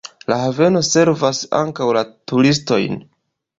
La haveno servas ankaŭ la turistojn.